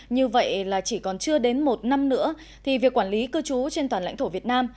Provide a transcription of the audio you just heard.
như vậy là chỉ còn chưa đến một năm nữa thì việc quản lý cư trú trên toàn lãnh thổ việt nam